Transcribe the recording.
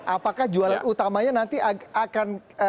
apakah jualan utamanya nanti akan